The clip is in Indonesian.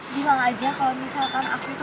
bilang aja kalau misalkan aku itu